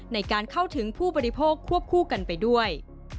ในการเข้าถึงผู้บริโภคควบคู่กันไปด้วย